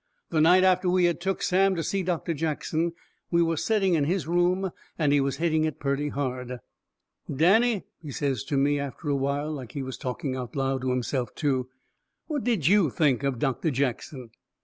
The night after we had took Sam to see Doctor Jackson we was setting in his room, and he was hitting it purty hard. "Danny," he says to me, after a while, like he was talking out loud to himself too, "what did you think of Doctor Jackson?"